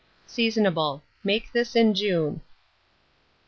Seasonable. Make this in June.